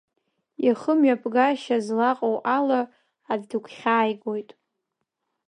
Ихымҩаԥгашьа злаҟоу ала аӡә дыгәхьааигоит.